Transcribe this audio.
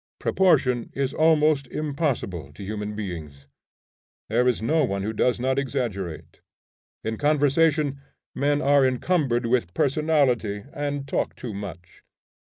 Proportion is almost impossible to human beings. There is no one who does not exaggerate. In conversation, men are encumbered with personality, and talk too much.